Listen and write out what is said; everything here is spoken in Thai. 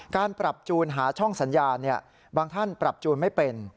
การปรับจูนหาช่องสัญญาณบางท่านปรับจูนไม่เป็น